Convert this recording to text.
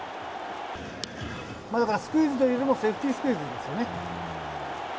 だからスクイズというよりも、セーフティースクイズですよね。